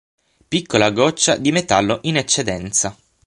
Piccola goccia di metallo in eccedenza.